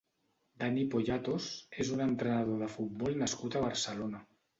Dani Poyatos és un entrenador de futbol nascut a Barcelona.